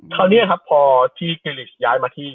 คราวนี้ครับพอที่เคลิสย้ายมาที่